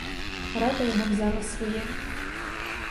Рада його взяла своє.